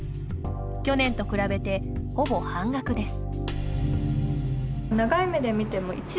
去年と比べてほぼ半額です。